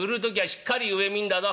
しっかり上見んだぞ。